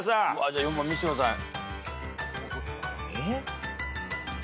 じゃあ４番見せてください。